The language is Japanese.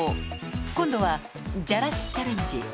今度は、じゃらしチャレンジ。